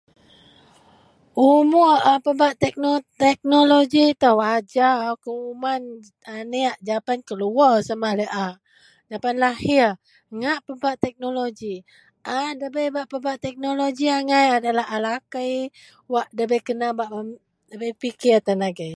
Umur a pebak [tek] teknologi itou ajau kuman aneak japan keluwer sama laei a japan lahir, ngak pebak teknologi. A debei pebak teknologi angai ji adalah a lakei wak debei kena [me] debei pikir tan agei